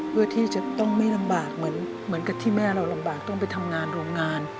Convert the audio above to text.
เพื่อที่จะต้องไม่ลำบากเหมือนกับที่แม่เราลำบากต้องไปทำงานโรงงาน